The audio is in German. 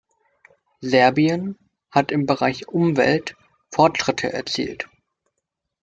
Serbien hat im Bereich Umwelt Fortschritte erzielt.